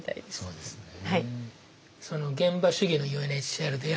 そうですね。